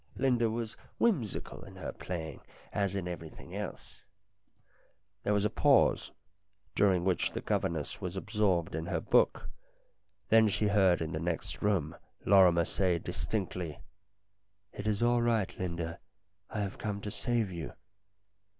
Linda was whimsical in her playing, as in everything else. There was a pause, during 290 STORIES IN GREY which the governess was absorbed in her book. Then she heard in the next room Lorrimer say distinctly :" It is all right, Linda. I have come to save you."